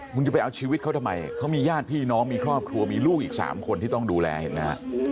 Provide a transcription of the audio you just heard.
คุณจะไปเอาชีวิตเขาทำไมเขามีญาติพี่น้องมีครอบครัวมีลูกอีก๓คนที่ต้องดูแลเห็นไหมฮะ